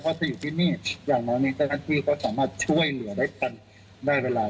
เพราะถ้าอยู่ที่นี่อย่างน้องนี้ก็ที่เขาสามารถช่วยเหลือได้กันได้เวลา